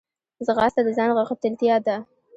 ځغاسته د ځان غښتلتیا ده